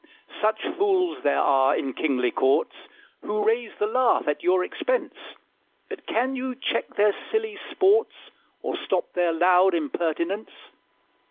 Such fools there are in kingly courts, Who raise the laugh at your expense; But can you check their silly sports, Or stop their loud impertinence?